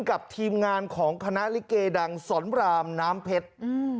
กับทีมงานของคณะฬิเกย์ดังสรรบท์รามน้ำเผ็ดอืม